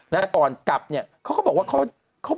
และตอนกลับเขาก็บอกว่า